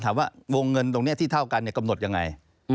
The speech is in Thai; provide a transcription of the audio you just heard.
ถามว่าวงเงินตรงนี้ที่เท่ากันกำหนดยังไง